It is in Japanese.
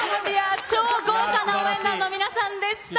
超豪華な応援団の皆さんでした！